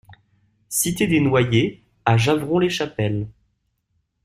Cité des Noyers à Javron-les-Chapelles